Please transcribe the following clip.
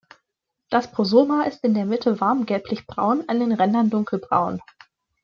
Das Prosoma ist in der Mitte warm gelblichbraun, an den Rändern dunkelbraun.